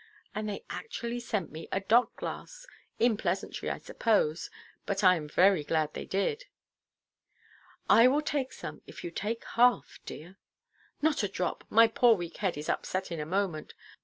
And they actually sent me a dock–glass, in pleasantry, I suppose: but I am very glad they did." "I will take some, if you take half, dear." "Not a drop. My poor weak head is upset in a moment.